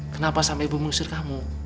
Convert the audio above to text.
kenapa sampai ibu mengusir kamu